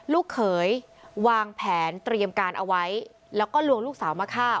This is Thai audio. ลูกเขยวางแผนเตรียมการเอาไว้แล้วก็ลวงลูกสาวมาฆ่า